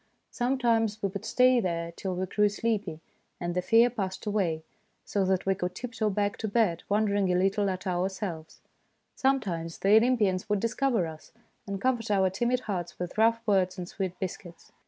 Sometimes we would stay there till we grew sleepy, and the fear passed away, so that we could tiptoe back to bed, wondering a little at ourselves ; sometimes the Olympians would discover us, and comfort our timid hearts with rough words and sweet biscuits.